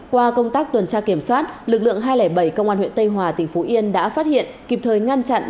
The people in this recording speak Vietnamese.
qua công tác tuần tra kiểm soát lực lượng hai trăm linh bảy công an huyện tây hòa tỉnh phú yên đã phát hiện kịp thời ngăn chặn